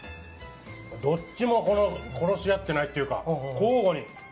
どっちも殺し合っていないというか交互に！